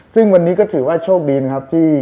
ซึ่งวันนี้ก็ถือว่าโชคดีนะครับที่